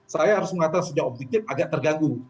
saya harus mengatakan sejak objektif agak terganggu